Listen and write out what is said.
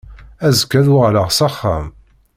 Azekka ad uɣaleɣ s axxam.